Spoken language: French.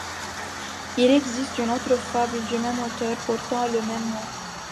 Il existe une autre fable du même auteur, portant le même nom.